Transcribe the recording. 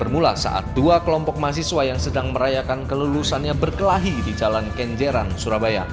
mahasiswa yang sedang merayakan kelelusannya berkelahi di jalan kenjeran surabaya